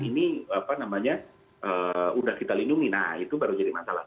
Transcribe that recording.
ini udah kita lindungi nah itu baru jadi masalah